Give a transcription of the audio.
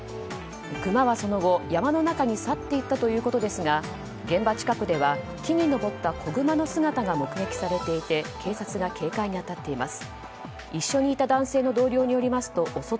クマはその後、山の中に去っていったということですが現場近くでは木に登った子グマの姿が目撃されていて警察が警戒に当たっています。